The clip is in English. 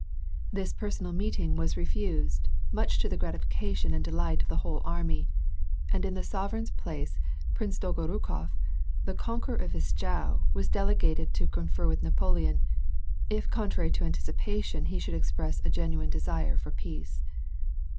This personal meeting was refused, much to the gratification and delight of the whole army, and in the sovereign's place Prince Dolgorukof, the conqueror of Wischau was delegated to confer with Napoleon, if contrary to anticipation he should express a genuine desire for peace.